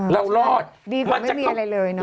เรารอดดีกว่าไม่มีอะไรเลยเนาะ